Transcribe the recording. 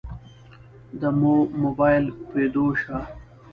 دمو مباييل پيدو شه.